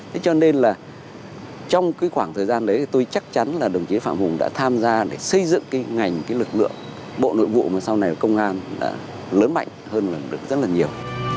thế cho nên là trong cái khoảng thời gian đấy thì tôi chắc chắn là đồng chí phạm hùng đã tham gia để xây dựng cái ngành cái lực lượng bộ nội vụ mà sau này là công an đã lớn mạnh hơn rất là nhiều